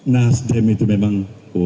nasden itu memang